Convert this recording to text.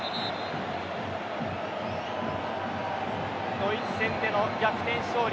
ドイツ戦での逆転勝利。